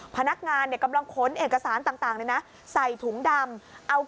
พนักงานกำลังขนเอกสารต่างใส่ถุงดำ